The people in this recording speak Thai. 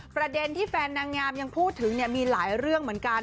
ประเด็นที่แฟนนางงามยังพูดถึงมีหลายเรื่องเหมือนกัน